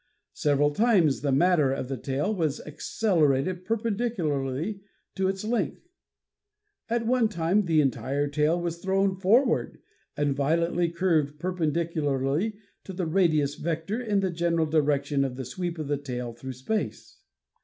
Several times the matter of the tail was accelerated perpendicularly to its length. At one time the entire tail was thrown forward and violently curved perpendicularly to the radius vector in the general direction of the sweep of the tail through space.